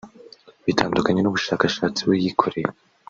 bitandukanye n’ubushakashatsi we yikoreye